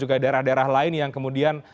juga daerah daerah lain yang kemudian